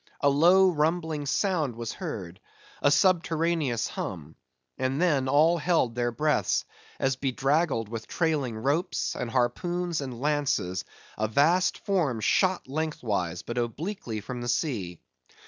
A low rumbling sound was heard; a subterraneous hum; and then all held their breaths; as bedraggled with trailing ropes, and harpoons, and lances, a vast form shot lengthwise, but obliquely from the sea.